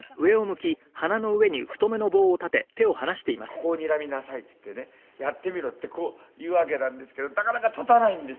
ここをにらみなさいって言ってねやってみろって言うわけなんですけどなかなか立たないんです。